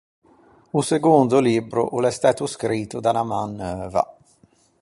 O segondo libbro o l’é stæto scrito da unna man neuva.